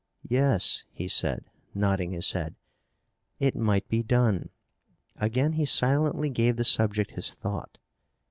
"Yes," he said, nodding his head, "it might be done." Again he silently gave the subject his thought.